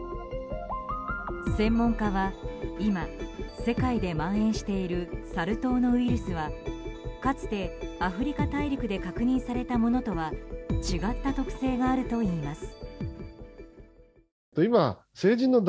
専門家は今世界でまん延しているサル痘のウイルスはかつてアフリカ大陸で確認されたものとは違った特性があるといいます。